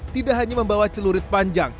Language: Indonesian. tidak hanya membawa celurit panjang